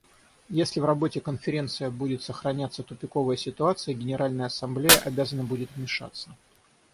Если в работе Конференция будет сохраняться тупиковая ситуация, Генеральная Ассамблея обязана будет вмешаться.